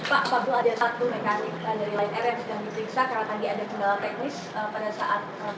pak apakah ada satu mekanik dari lain rms yang dipiksa karena tadi ada kendala teknis pada saat